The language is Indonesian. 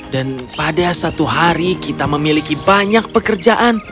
dan pada satu hari kita memiliki banyak pekerjaan